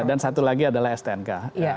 dan satu lagi adalah stnk